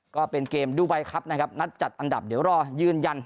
ก็เป็นเกมดูไบครับนะครับนัดจัดอันดับเดี๋ยวรอยืนยัน